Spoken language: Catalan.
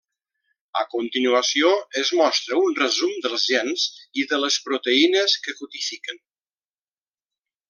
A continuació es mostra un resum dels gens i de les proteïnes que codifiquen.